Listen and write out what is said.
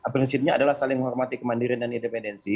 prinsipnya adalah saling menghormati kemandiran dan independensi